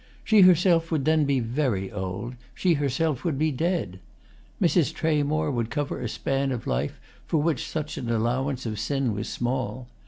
She herself would then be very old—she herself would be dead. Mrs. Tramore would cover a span of life for which such an allowance of sin was small.